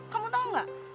kamu tau gak